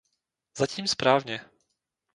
Zatím správně.